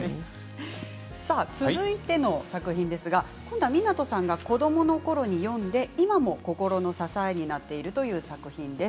続いての作品ですが今度は湊さんが子どものころに読んで今も心の支えになっているという作品です。